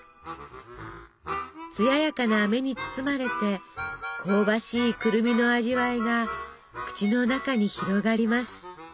つややかなあめに包まれて香ばしいくるみの味わいが口の中に広がります。